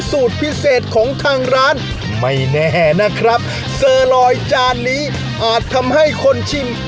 สูตรพิเศษของทางร้านไม่แน่นะครับเซอร์ลอยจานนี้อาจทำให้คนชิม